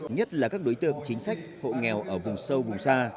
nhất là các đối tượng chính sách hộ nghèo ở vùng sâu vùng xa